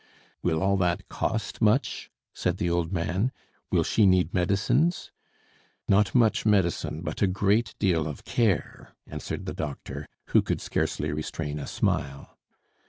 "Will all that cost much?" said the old man. "Will she need medicines?" "Not much medicine, but a great deal of care," answered the doctor, who could scarcely restrain a smile.